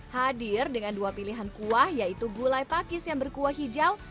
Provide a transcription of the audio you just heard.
hadir dengan dua pilihan kuah yaitu gulai pakis yang berkuah hijau